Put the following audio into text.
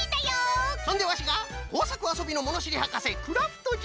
そんでワシがこうさくあそびのものしりはかせクラフトじゃ。